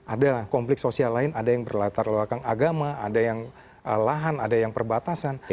ada konflik sosial lain ada yang berlatar belakang agama ada yang lahan ada yang perbatasan